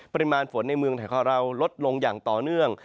ปริมาณฝนในเมืองไทยของเราลดลงอย่างต่อเนื่อง